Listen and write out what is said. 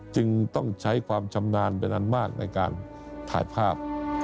จึงต้องใช้ความชำนาญเป็นอันมากในการถ่ายภาพ